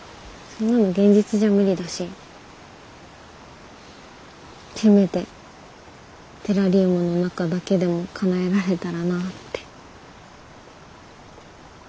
そんなの現実じゃ無理だしせめてテラリウムの中だけでもかなえられたらなって。